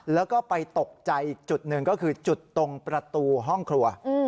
แล้วก็ไปตกใจอีกจุดหนึ่งก็คือจุดตรงประตูห้องครัว